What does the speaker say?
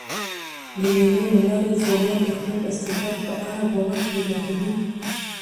د مېلو له لاري ځوانان د خپل استعداد په اړه باور پیدا کوي.